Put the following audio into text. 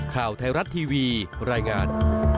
ข่าวไทยรัฐทีวีรายงาน